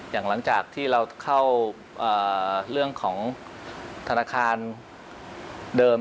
หลังจากที่เราเข้าเรื่องของธนาคารเดิม